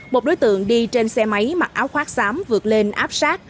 một đối tượng đi trên xe máy mặc áo khoác xám vượt lên áp sát